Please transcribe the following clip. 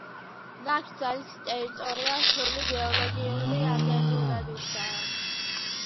ნაკრძალის ტერიტორია რთული გეოლოგიური აგებულებისაა.